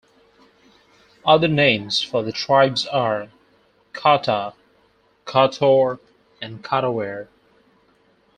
Other names for the tribes are "Kata", "Kator" and "Katawer".